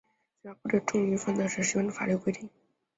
刑罚不得重于犯罪时适用的法律规定。